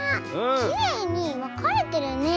きれいにわかれてるね。